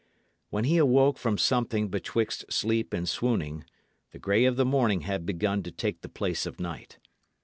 When he awoke from something betwixt sleep and swooning, the grey of the morning had begun to take the place of night.